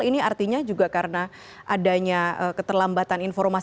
ini artinya juga karena adanya keterlambatan informasi